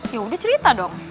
ya udah cerita dong